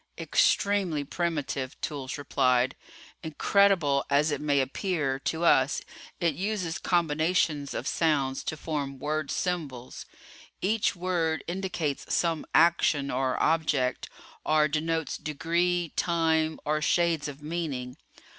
"Extremely primitive," Toolls replied. "Incredible as it may appear to us it uses combinations of sounds to form word symbols. Each word indicates some action, or object; or denotes degree, time, or shades of meaning.